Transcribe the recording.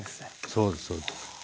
そうですそうです。